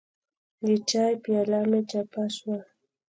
د چای پیاله مې چپه شوه.